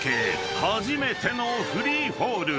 初めてのフリーフォール］